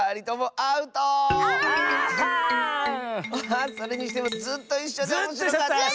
あそれにしてもずっといっしょでおもしろかったッス！